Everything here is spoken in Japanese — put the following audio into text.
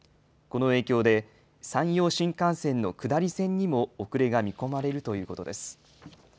この影響で、山陽新幹線の下り線にも遅れが見込まれるということです。